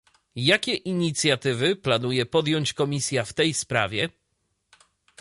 Jakie inicjatywy planuje podjąć Komisja w tej sprawie?